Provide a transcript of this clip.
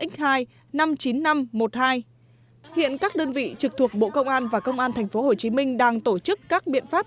hiện các đơn vị trực thuộc bộ công an và công an tp hcm đang tổ chức các biện pháp